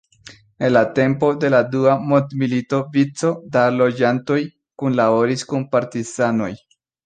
En la tempo de la dua mondmilito vico da loĝantoj kunlaboris kun partizanoj.